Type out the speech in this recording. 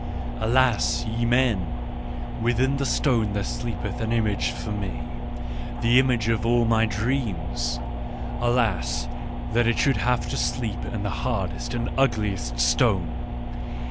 " Alas, ye men, within the stone there sleepeth an image for me, the image of all my dreams ! Alas, that it should have to sleep in the hardest and ugliest stone